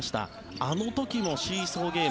あの時もシーソーゲーム。